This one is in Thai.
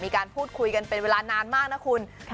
มีการพูดคุยกันเป็นเวลานานมากนะคุณ